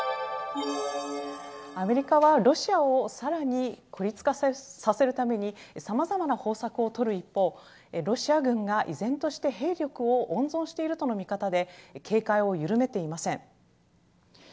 アメリカは、ロシアをさらに孤立化させるためにさまざまな方策を取る一方ロシア軍が依然として兵力を温存しているとの見方で警戒を緩めていません。